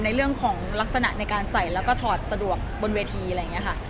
ในเรื่องของลักษณะในการใส่แล้วก็ถอดสะดวกบนเวทีอะไรอย่างนี้ค่ะ